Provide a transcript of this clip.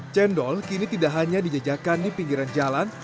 cendol kini tidak hanya dijajakan di pinggiran jalan